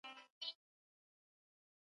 د نورو پیسې په ناحقه مه اخلئ.